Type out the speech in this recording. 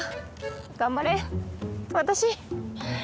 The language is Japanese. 頑張れ私！